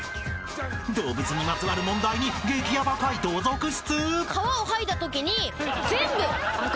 動物にまつわる問題に激ヤバ解答続出。